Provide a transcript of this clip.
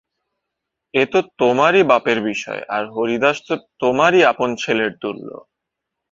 এ তো তোমারই বাপের বিষয়, আর হরিদাস তো তোমারই আপন ছেলের তুল্য।